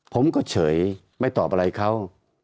ผมก็เฉยไม่ตอบอะไรเขา